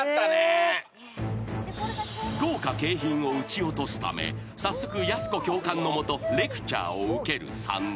［豪華景品を撃ち落とすため早速やす子教官の下レクチャーを受ける３人］